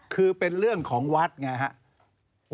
คือเป็นเรื่องของวัดไงครับ